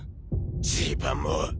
ジーパンも。